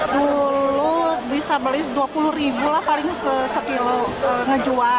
dulu bisa beli rp dua puluh ribu lah paling sekilo ngejual